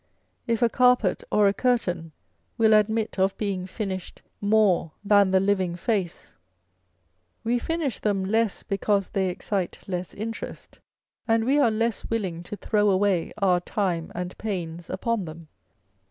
If a carpet or a curtain will admit of being finished more than the living face, we finish them less because they excite less interest, and we are less willing to throw away our time and pains upon them.